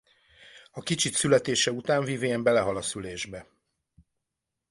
A kicsit születése után Viven belehal a szülésbe.